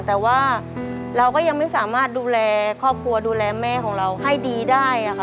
แต่ว่าเราก็ยังไม่สามารถดูแลครอบครัวดูแลแม่ของเราให้ดีได้ค่ะ